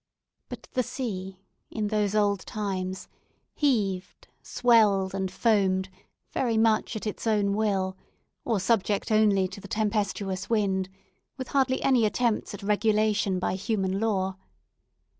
But the sea in those old times heaved, swelled, and foamed very much at its own will, or subject only to the tempestuous wind, with hardly any attempts at regulation by human law.